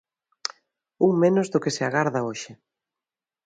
Un menos do que se agarda hoxe.